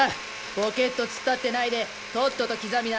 ぼけっと突っ立ってないでとっとと刻みな。